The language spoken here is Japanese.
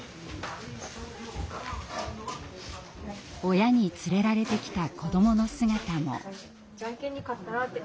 親に連れられてきた子どもの姿も。